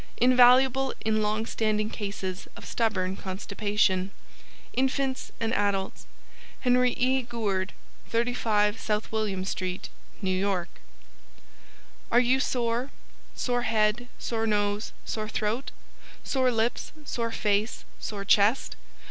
Invaluable in long standing cases of stubborn constipation: INFANTS AND ADULTS HENRY E. GOURD 35 South William Street NEW YORK Are You Sore? Sore Head, Sore Nose, Sore Throat? Sore Lips, Sore Face, Sore Chest?